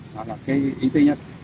đó là cái ý thứ nhất